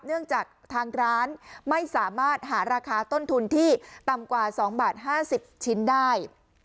เนื่องจากทางร้านไม่สามารถหาราคาต้นทุนที่ต่ำกว่า๒บาท๕๐ชิ้นได้